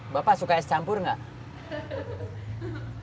bapak suka es campur nggak